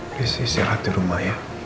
please istirahat di rumah ya